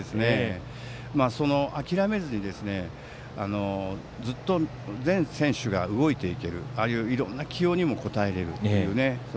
諦めずにずっと全選手が動いていけるいろんな起用にも応えれるという。